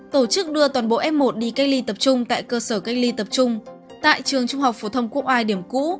tổ chức đưa toàn bộ f một đi cách ly tập trung tại cơ sở cách ly tập trung tại trường trung học phổ thông quốc ai điểm cũ